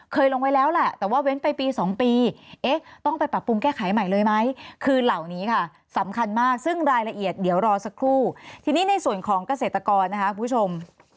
ของเกษตรกรนะคะผู้ชม